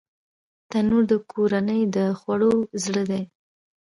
تنور د کورنۍ د خوړو زړه دی